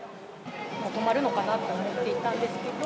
止まるのかなと思っていたんですけど、